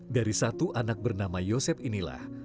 dari satu anak bernama yosep inilah